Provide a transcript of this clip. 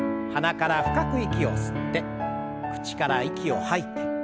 鼻から深く息を吸って口から息を吐いて。